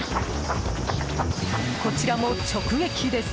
こちらも直撃です。